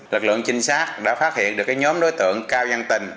lực lượng trinh sát đã phát hiện được nhóm đối tượng cao văn tình